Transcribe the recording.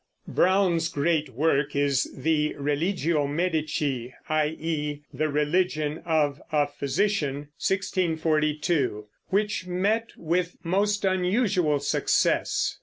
Browne's great work is the Religio Medici, i.e. The Religion of a Physician (1642), which met with most unusual success.